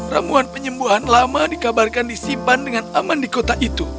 ramuan penyembuhan lama dikabarkan disimpan dengan aman di kota itu